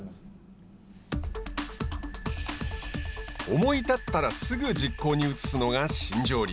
思い立ったらすぐ実行に移すのが「新庄流」。